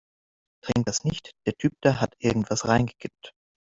Trink das nicht, der Typ da hat irgendetwas reingekippt.